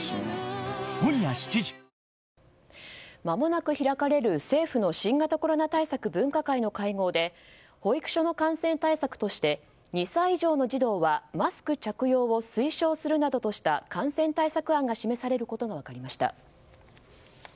まもなく開かれる政府の新型コロナ対策分科会の会合で保育所の感染対策として２歳以上の児童はマスク着用を推奨するなどとした感染対策案が示されることが分かりました。